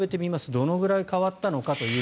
どのくらい変わったのか。